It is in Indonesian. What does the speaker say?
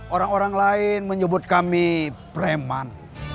orang orang lain menyebut kami preman